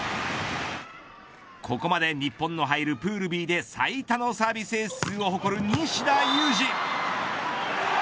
ここまで、日本の入るプールＢで最多のサービスエース数を誇る西田有志